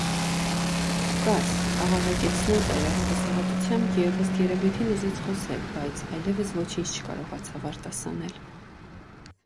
- Կա՛ց,- աղաղակեց նա ծայրահեղ հուսահատությամբ և, ըստ երևույթին, ուզեց խոսել, բայց այլևս ոչինչ չկարողացավ արտասանել: